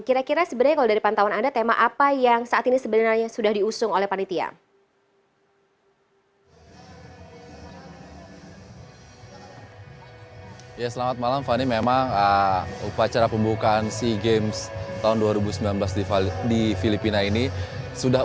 kira kira sebenarnya kalau dari pantauan anda tema apa yang saat ini sebenarnya sudah diusung oleh panitia